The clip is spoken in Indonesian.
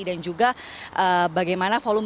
dan juga bagaimana volume